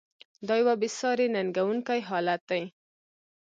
دا یوه بې ساري ننګونکی حالت دی.